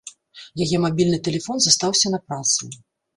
Яе мабільны тэлефон застаўся на працы.